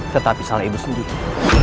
tetapi salah ibu sendiri